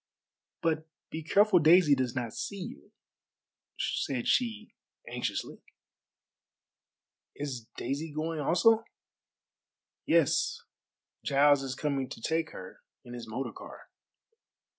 "But be careful Daisy does not see you," said she anxiously. "Is Daisy going also?" "Yes. Giles is coming to take her in his motor car."